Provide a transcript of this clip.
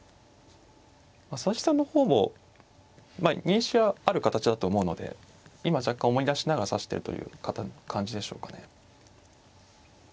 佐々木さんの方も認識はある形だと思うので今若干思い出しながら指してるという感じでしょうかね。